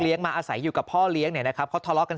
มาอาศัยอยู่กับพ่อเลี้ยงเนี่ยนะครับเขาทะเลาะกัน